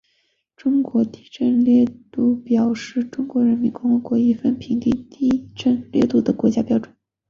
中国地震烈度表是中华人民共和国一份评定地震烈度的国家标准。